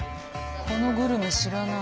このグルメ知らない。